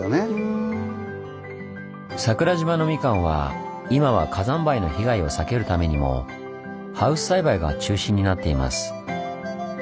桜島のみかんは今は火山灰の被害を避けるためにもハウス栽培が中心になっています。